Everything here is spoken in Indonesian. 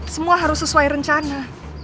semua harus sesuai rencana